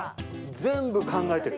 全部考えてる。